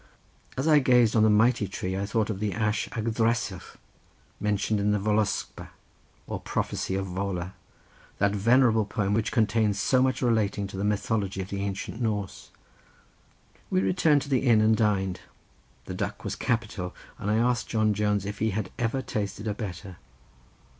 As I gazed on the mighty tree I thought of the Ash Yggdrasill mentioned in the Voluspa, or prophecy of Vola, that venerable poem which contains so much relating to the mythology of the ancient Norse. We returned to the inn and dined. The duck was capital, and I asked John Jones if he had ever tasted a better.